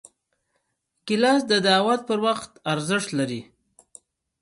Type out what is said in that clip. ګیلاس د دعوت پر وخت ارزښت لري.